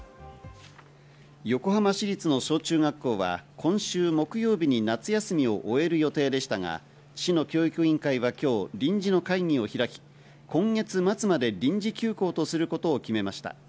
横浜市立の小中学校は今週木曜日に夏休みを終える予定でしたが、市の教育委員会は今日、臨時の会議を開き、今月末まで臨時休校とすることを決めました。